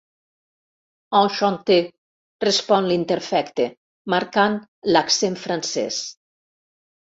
Enchanté —respon l'interfecte, marcant l'accent francès.